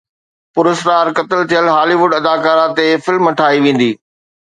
پراسرار قتل ٿيل هالي ووڊ اداڪاره تي فلم ٺاهي ويندي